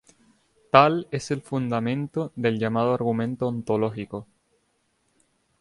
Tal es el fundamento del llamado argumento ontológico.